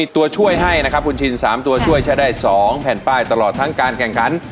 ตัวช่วยให้นะครับคุณชิน๓ตัวช่วยจะได้๒แผ่นป้ายตลอดทั้งการแข่งขัน